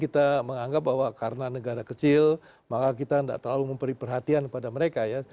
kita menganggap bahwa karena negara kecil maka kita tidak terlalu memberi perhatian kepada mereka ya